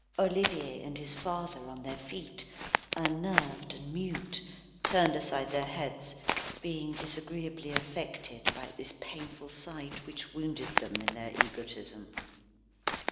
Olivier and his father on their feet, unnerved and mute, turned aside their heads, being disagreeably affected at this painful sight which wounded them in their egotism.